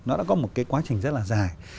nó đã có một cái quá trình rất là dài